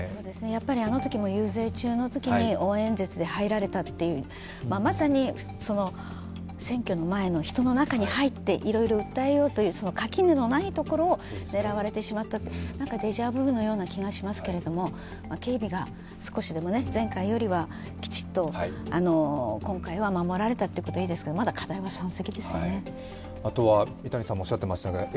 あのときも遊説中のときに応援演説で入られたというまさに選挙の前の人の中に入って、いろいろ訴えようという、その垣根のないところを狙われてしまったデジャブのような気がしますけれども警備が少しでも、前回よりはきちっと今回は守られたということはいいですが、まだ課題は山積していますね。